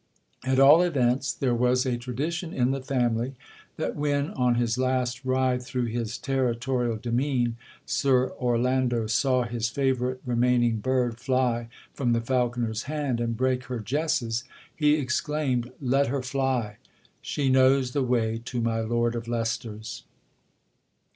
At all events, there was a tradition in the family, that when, on his last ride through his territorial demesne, Sir Orlando saw his favourite remaining bird fly from the falconer's hand, and break her jesses, he exclaimed, 'Let her fly; she knows the way to my lord of Leicester's.'